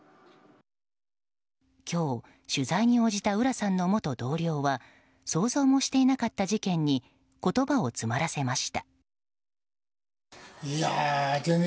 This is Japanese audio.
今日、取材に応じた浦さんの元同僚は想像もしていなかった事件に言葉を詰まらせました。